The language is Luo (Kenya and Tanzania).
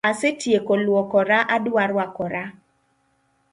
Asetieko luokora adwa rwakora